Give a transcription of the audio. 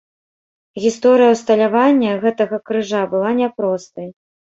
Гісторыя ўсталявання гэтага крыжа была няпростай.